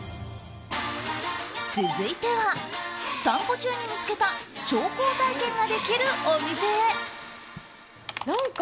続いては、散歩中に見つけた調香体験ができるお店へ。